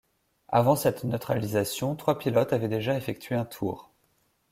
Avant cette neutralisation, trois pilotes avaient déjà effectué un tour.